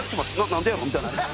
なんでやろ？みたいな。